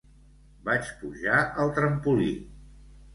Vaig pujar al trampolí.